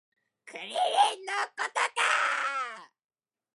クリリンのことか